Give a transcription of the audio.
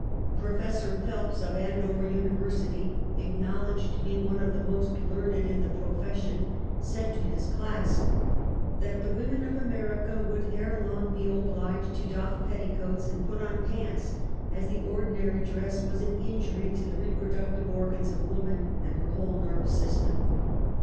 Prof. Phelps, of Andover University, acknowl edged to be one of the most learned in the profes sion, said to his class "that the women of America would ere long be obliged to doll* petticoats and put on panta, as the ordinary dress was an injury to the reproductive organs of woman and her whole nerve \ system."